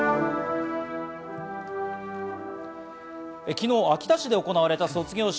昨日、秋田市で行われた卒業式。